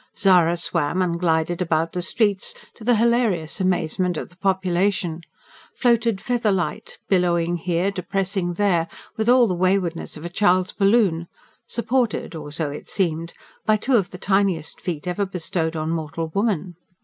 Zara swam and glided about the streets, to the hilarious amazement of the population; floated feather light, billowing here, depressing there, with all the waywardness of a child's balloon; supported or so it seemed by two of the tiniest feet ever bestowed on mortal woman.